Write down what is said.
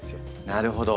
なるほど。